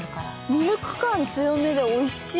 ミルク感強めで、おいしい。